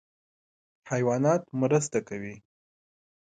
حیوانات مرسته کوي.